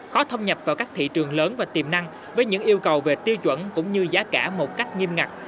khó thâm nhập vào các thị trường lớn và tiềm năng với những yêu cầu về tiêu chuẩn cũng như giá cả một cách nghiêm ngặt